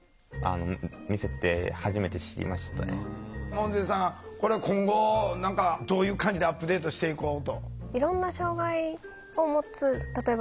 門前さんこれ今後何かどういう感じでアップデートしていこうと？